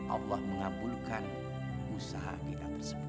allah mengabulkan usaha kita tersebut